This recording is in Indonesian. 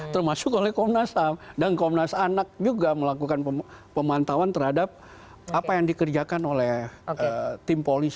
termasuk oleh komnas ham dan komnas anak juga melakukan pemantauan terhadap apa yang dikerjakan oleh tim polisi